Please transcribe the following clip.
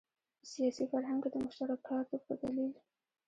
په سیاسي فرهنګ کې د مشترکاتو په دلیل.